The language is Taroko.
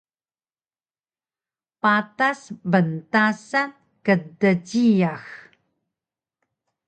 Patas pntasan kdjiyax